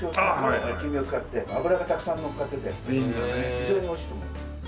非常においしいと思います。